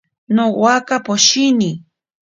Nowaka poshini.